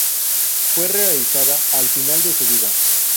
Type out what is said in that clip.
Fue realizada al final de su vida.